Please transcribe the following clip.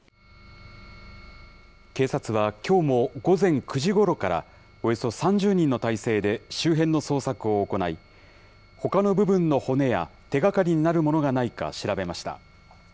警察はきょうも午前９時ごろから、およそ３０人の態勢で周辺の捜索を行い、ほかの部分の骨や手がかりになるものがないか調べました。